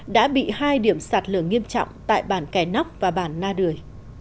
đã bị hai điểm sạt lở nghiêm trọng tại bản kẻ nóc và bản na đười